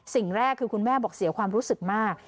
สิ่งแรกคือคุณแม่บอกเสียความรู้สึกมาก